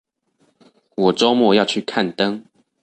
我週末要去看燈